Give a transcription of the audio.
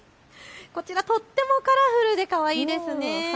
こちら、とってもカラフルでかわいいですよね。